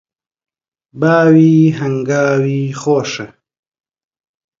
باوی هەنگاوی خۆشە